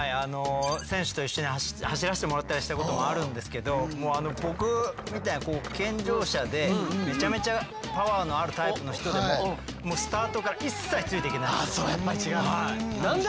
選手と一緒に走らせてもらったりしたこともあるんですけど僕みたいな健常者でめちゃめちゃパワーのあるタイプの人でもあそうやっぱり違うんだ。